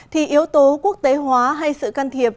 thì yếu tố quốc tế hóa hay sự can thiệp